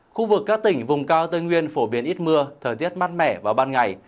khu vực các tỉnh vùng cao tây nguyên phổ biến ít mưa thời tiết mát mẻ vào ban ngày